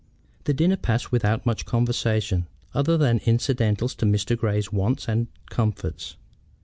The dinner passed without much conversation other than incidental to Mr. Grey's wants and comforts.